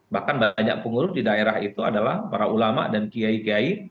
bahkan banyak pengurus di daerah itu adalah para ulama dan kiai kiai